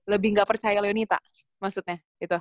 lebih nggak percaya leonita maksudnya